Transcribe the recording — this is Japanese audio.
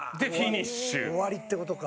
終わりって事か。